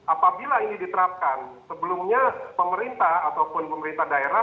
apabila ini diterapkan sebelumnya pemerintah ataupun pemerintah daerah